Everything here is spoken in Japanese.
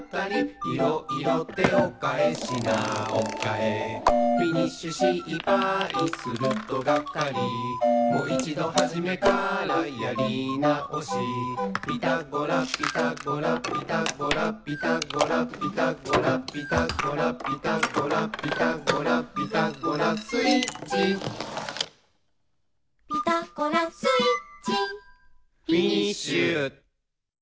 「いろいろ手をかえ品をかえ」「フィニッシュ失敗するとがっかり」「もいちどはじめからやり直し」「ピタゴラピタゴラ」「ピタゴラピタゴラ」「ピタゴラピタゴラ」「ピタゴラピタゴラ」「ピタゴラスイッチ」「ピタゴラスイッチ」「フィニッシュ！」